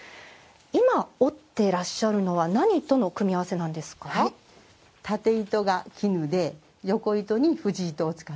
今、織っていらっしゃるのは何との組み合わせなんですか？